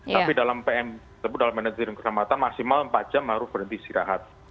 tapi dalam pm tersebut dalam manajerim keselamatan maksimal empat jam harus berhenti istirahat